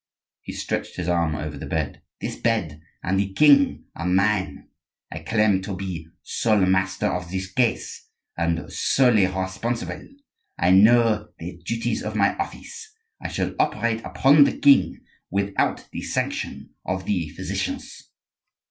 He stretched his arm over the bed. "This bed and the king are mine. I claim to be sole master of this case and solely responsible. I know the duties of my office; I shall operate upon the king without the sanction of the physicians."